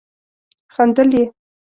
خندل يې.